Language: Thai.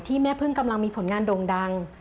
แม่พึ่งกำลังมีผลงานโด่งดัง